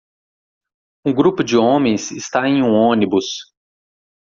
Um grupo de homens está em um ônibus